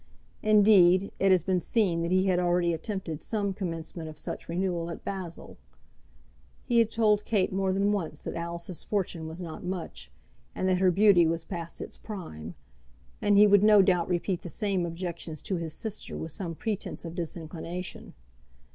Indeed it has been seen that he had already attempted some commencement of such renewal at Basle. He had told Kate more than once that Alice's fortune was not much, and that her beauty was past its prime; and he would no doubt repeat the same objections to his sister with some pretence of disinclination.